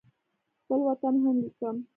خپل وطن هم لیکم.